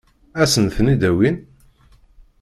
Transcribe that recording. Ad sen-ten-id-awin?